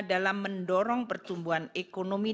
dalam mendorong pertumbuhan ekonomi